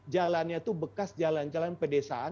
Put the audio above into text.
jalannya itu bekas jalan jalan pedesaan